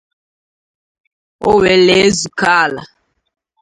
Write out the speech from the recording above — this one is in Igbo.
Owellezukala